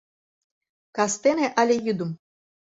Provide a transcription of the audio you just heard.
Кастене але йӱдым...